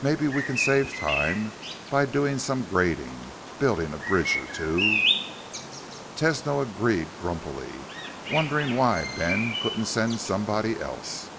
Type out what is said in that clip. Maybe we can save time by doing some grading, building a bridge or two." Tesno agreed grumpily, wondering why Ben couldn't send somebody else.